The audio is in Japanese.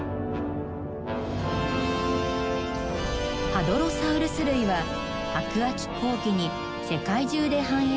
ハドロサウルス類は白亜紀後期に世界中で繁栄した植物食恐竜。